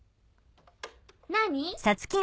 何？